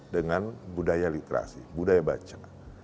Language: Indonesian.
dengan budaya literasi budaya baca